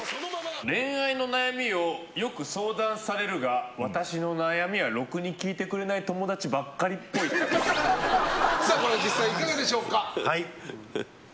恋愛の悩みをよく相談されるが私の悩みはろくに聞いてくれない友達ばっかりっぽい。さあ、これは実際いかがでしょうか。